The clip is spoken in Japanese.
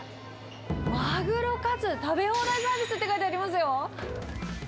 マグロカツ食べ放題サービスって書いてありますよ。